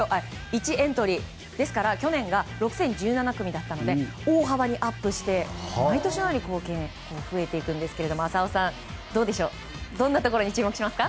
ですから、去年が６０１７組だったので大幅にアップして毎年のように増えていくんですが浅尾さんどんなところに注目しますか。